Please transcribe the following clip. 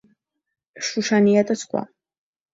შუშანია და სხვა.